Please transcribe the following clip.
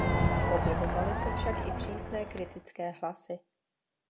Objevovaly se však i přísné kritické hlasy.